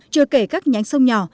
chưa kể các nhánh sông nhà